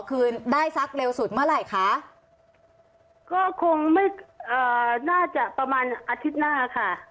คืนได้สักเร็วสุดเมื่อไหร่คะก็คงไม่เอ่อน่าจะประมาณอาทิตย์หน้าค่ะ